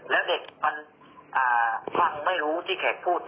แล้วเด็กมันฟังไม่รู้ที่แขกพูด